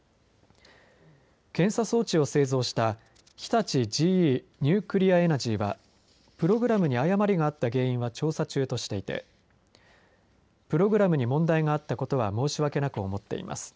検査装置を製造した日立ＧＥニュークリア・エナジーはプログラムに誤りがあった原因は調査中としていてプログラムに問題があったことは申し訳なく思っています。